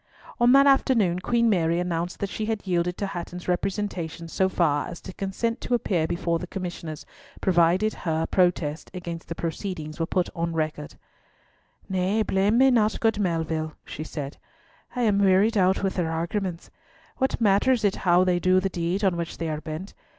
On that afternoon Queen Mary announced that she had yielded to Hatton's representations so far as to consent to appear before the Commissioners, provided her protest against the proceedings were put on record. "Nay, blame me not, good Melville," she said. "I am wearied out with their arguments. What matters it how they do the deed on which they are bent?